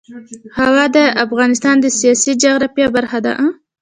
هوا د افغانستان د سیاسي جغرافیه برخه ده.